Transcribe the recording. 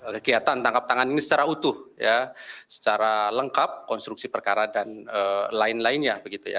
kegiatan tangkap tangan ini secara utuh secara lengkap konstruksi perkara dan lain lainnya